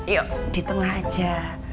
yuk di tengah aja